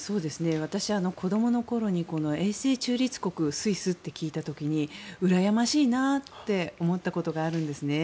私は子供のころに永世中立国スイスって聞いた時うらやましいなって思ったことがあるんですね。